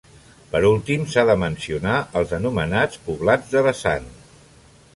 Per últim, s’ha de mencionar els anomenats poblats de vessant.